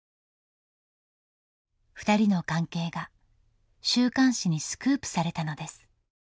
ふたりの関係が週刊誌にスクープされたのです。